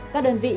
các đơn vị